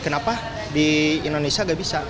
kenapa di indonesia gak bisa